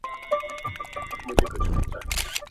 چي ديـدنونه پــــه واوښـتل~